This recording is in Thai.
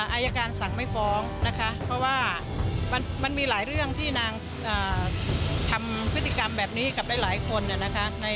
อายการสั่งไม่ฟ้องนะคะเพราะว่ามันมีหลายเรื่องที่นางทำพฤติกรรมแบบนี้กับหลายคนนะคะ